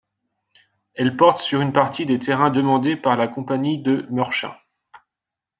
Elle porte sur une partie des terrains demandés par la Compagnie de Meurchin.